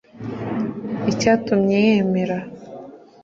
Icyatumye yemera